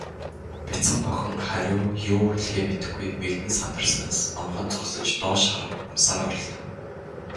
Бяцхан охин хариу юу хэлэхээ мэдэхгүй, мэгдэн сандарснаас номхон зогсож, доош харан хумсаараа оролдов.